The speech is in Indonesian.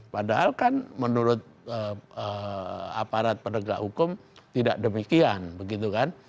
padahal kan menurut aparat penegak hukum tidak demikian begitu kan